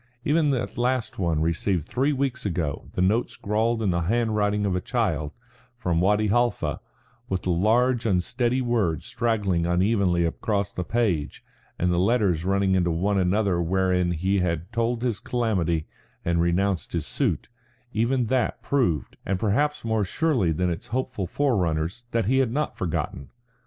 Even that last one received three weeks ago, the note scrawled in the handwriting of a child, from Wadi Halfa, with the large unsteady words straggling unevenly across the page, and the letters running into one another wherein he had told his calamity and renounced his suit even that proved, and perhaps more surely than its hopeful forerunners that he had not forgotten.